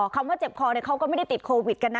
คำว่าเจ็บคอเขาก็ไม่ได้ติดโควิดกันนะ